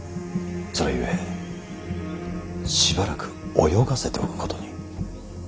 それゆえしばらく泳がせておくことに。